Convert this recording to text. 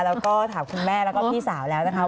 แล้วก็ถามคุณแม่แล้วก็พี่สาวแล้วนะคะ